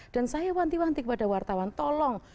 dan saya wanti wanti kepada wartawan tolong